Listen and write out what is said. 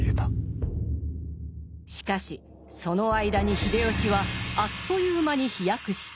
しかしその間に秀吉はあっという間に飛躍した。